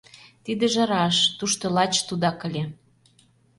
Тидыже раш — тушто лач тудак ыле.